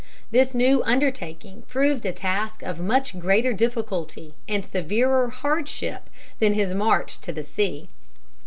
This new undertaking proved a task of much greater difficulty and severer hardship than his march to the sea.